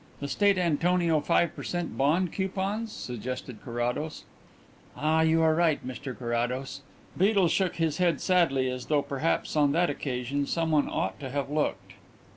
"The State Antonio Five per cent. Bond Coupons?" suggested Carrados. "Ah, you are right, Mr Carrados." Beedel shook his head sadly, as though perhaps on that occasion someone ought to have looked.